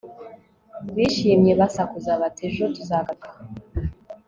bishimye, basakuza bati ejo tuzagaruka